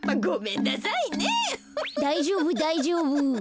だいじょうぶだいじょうぶ。